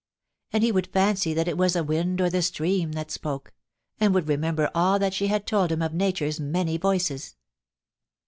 And be would fancy that it was the wind or the stream that spoke, and would remember all that she had told him of Nature's many voices.